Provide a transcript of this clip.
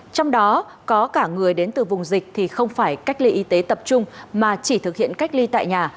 trong đó có cả người đến từ vùng dịch thì không phải cách ly y tế tập trung mà chỉ thực hiện cách ly tại nhà